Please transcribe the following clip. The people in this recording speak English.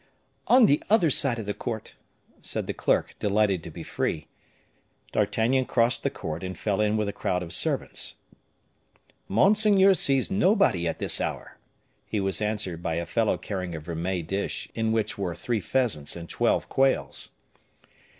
"On the other side of the court," said the clerk, delighted to be free. D'Artagnan crossed the court, and fell in with a crowd of servants. "Monseigneur sees nobody at this hour," he was answered by a fellow carrying a vermeil dish, in which were three pheasants and twelve quails.